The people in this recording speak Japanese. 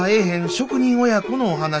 職人親子のお話。